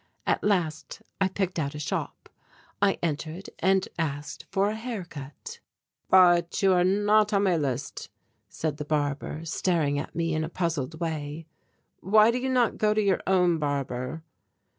At last I picked out a shop. I entered and asked for a haircut. "But you are not on my list," said the barber, staring at me in a puzzled way, "why do you not go to your own barber?"